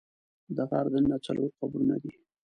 د غار دننه څلور قبرونه دي.